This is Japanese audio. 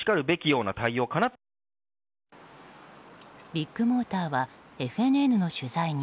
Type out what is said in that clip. ビッグモーターはＦＮＮの取材に